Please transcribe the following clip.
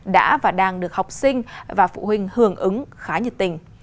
đã và đang được học sinh và phụ huynh hưởng ứng khá nhiệt tình